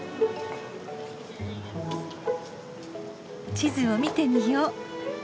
地図を見てみよう。